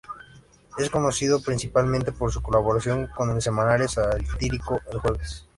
Es conocido principalmente por su colaboración con el semanario satírico "El Jueves".